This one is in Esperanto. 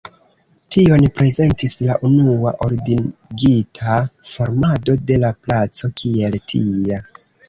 Tion prezentis la unua ordigita formado de la placo kiel tia.